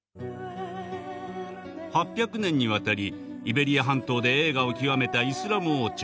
８００年にわたりイベリア半島で栄華を極めたイスラム王朝。